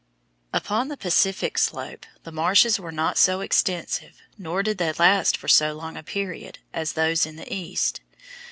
Upon the Pacific slope the marshes were not so extensive, nor did they last for so long a period, as those in the East.